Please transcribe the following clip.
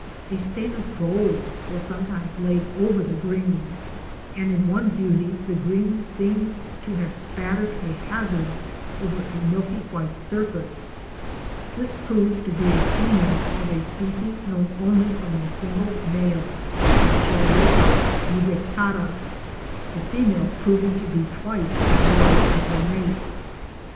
A stain of gold was sometimes laid over the green, and in one beauty the green seemed to have been spattered at hazard over a milky white surface. This proved to be a female of a species known only from a single male (Racheolopha nivetacta), the female proving to be twice as large as her mate.